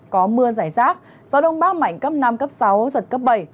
có mưa rải rác gió đông bắc mạnh cấp năm cấp sáu giật cấp bảy